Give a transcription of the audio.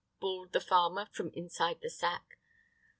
bawled the farmer from inside the sack.